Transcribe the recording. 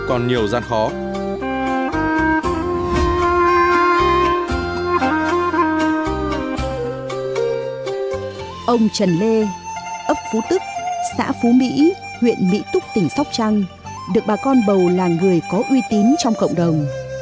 ông trần lê ấp phú tức xã phú mỹ huyện mỹ túc tỉnh sóc trăng được bà con bầu là người có uy tín trong cộng đồng